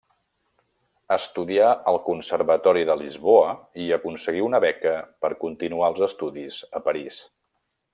Estudià al Conservatori de Lisboa i aconseguí una beca per continuar els estudis a París.